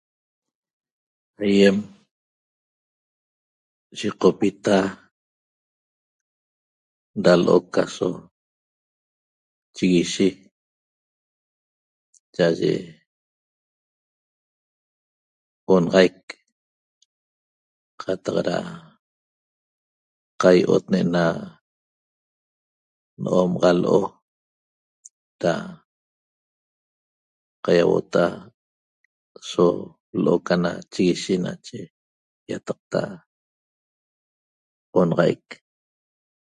Aiem yeqopita da lo'oc aso chiguishe cha'aye onaxaic qataq ra qaio'ot ne'ena no'omaxa lo'o ra qaiauota'a so lo'oc ana chiguishe nache iataqta onaxaic